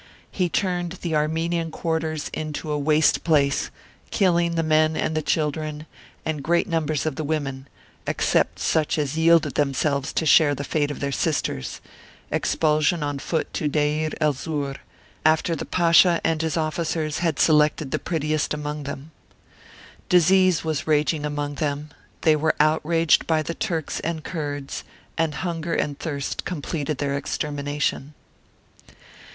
He turned the Armenian quarters into a waste place, killing the men and the children, and great numbers of the women, except such as yielded themselves to share the fate of their sisters expulsion on foot to Deir el Zur, after the Pasha and his officers had selected the prettiest amongst them. Disease was raging among them; they were outraged by the Turks and Kurds ; and hunger and thirst completed their extermination.